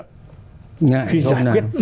khi giải quyết